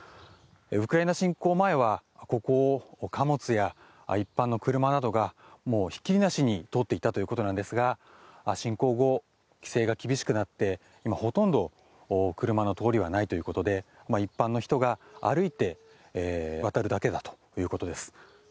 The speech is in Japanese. ウクライナ侵攻前はここを、貨物や一般の車などがもうひっきりなしに通っていたということなんですが侵攻後、規制が厳しくなって今、ほとんど車の通りがないということで一般の人が歩いて渡るだけだということです。